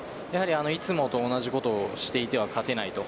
いつもと同じことをしていては勝てないと。